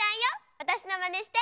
わたしのまねして！